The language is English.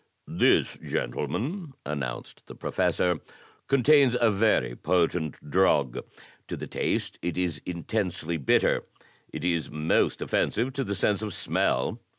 "This, gentlemen," announced the Professor, "contains a very potent drug. To the taste it is intensely bitter. It is most offensive to the sense of smell.